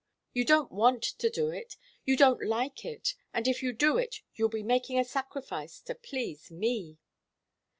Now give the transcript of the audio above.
You don't want to do it, you don't like it, and if you do it you'll be making a sacrifice to please me."